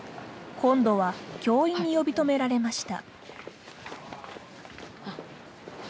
今度は教員に呼び止められました。